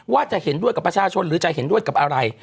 ว่าจะเห็นด้วยกับประชาชนหรือจะเห็นด้วยกับอะไร